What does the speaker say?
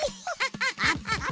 ハハハハ。